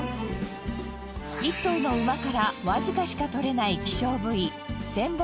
一頭の馬からわずかしか取れない希少部位千本